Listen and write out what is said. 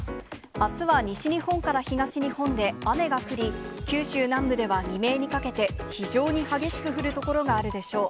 あすは西日本から東日本で、雨が降り、九州南部では未明にかけて、非常に激しく降る所があるでしょう。